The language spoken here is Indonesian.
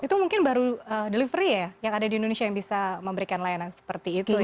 itu mungkin baru delivery ya yang ada di indonesia yang bisa memberikan layanan seperti itu ya